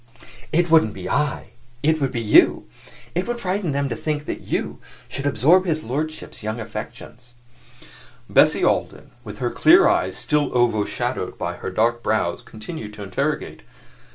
"It wouldn't be I it would be you. It would frighten them to think that you should absorb his lordship's young affections." Bessie Alden, with her clear eyes still overshadowed by her dark brows, continued to interrogate.